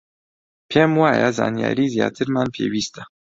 پێم وایە زانیاریی زیاترمان پێویستە.